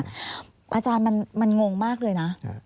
อาจารย์มันงงมากเลยนะ